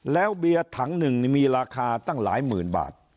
แล้วเบียร์ถังหนึ่งมีราคาตั้งหลายหมื่นบาท